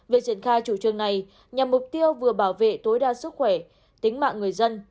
việc triển khai chủ trương này nhằm mục tiêu vừa bảo vệ tối đa sức khỏe tính mạng người dân